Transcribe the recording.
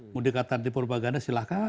tidak ada tanti propaganda silahkan